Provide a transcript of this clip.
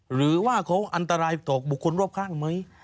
หรือว่าเขาอันตรายต่อบุคคลรอบข้างไหม